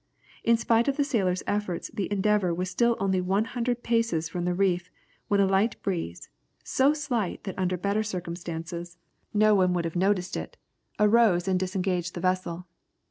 In spite of the sailors' efforts the Endeavour was still only 100 paces from the reef, when a light breeze, so slight that under better circumstances no one would have noticed it, arose and disengaged the vessel.